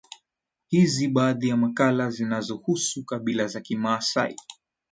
Hizi baadhi ya makala zinazohusu kabila la kimaasai